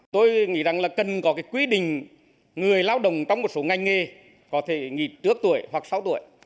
tôi nghĩ rằng là cần có quy định người lao động trong một số ngành nghề có thể nghỉ trước tuổi hoặc sau tuổi